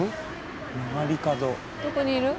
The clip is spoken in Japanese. どこにいる？